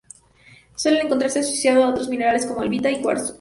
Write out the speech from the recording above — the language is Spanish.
Suele encontrarse asociado a otros minerales como: albita o cuarzo.